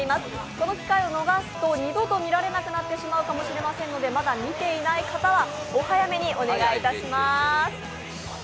この機会を逃すと二度と見れなくなってしまうかもしれませんのでまだ見ていない方はお早めにお願いいたします